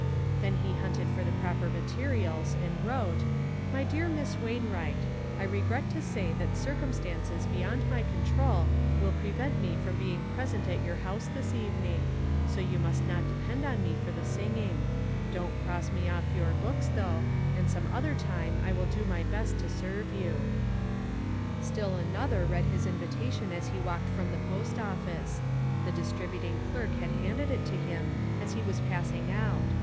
Then he hunted for the proper materials and wrote : MY DEAR Miss WAINWBIGUT: I regret to say that circumstances beyond my control will prevent me from being present at your house this evening, so you must not depend on me for the singing. Don't cross roe off your books, though, and some other time I will do my best to serve you. 256 ONE COMMONPLACE DAY. Still another read his invitation as he walked from the post office. The distributing clerk had handed it to him as he was pass ing out.